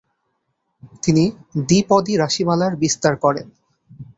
তিনি দ্বি-পদী রাশিমালার বিস্তার করেন।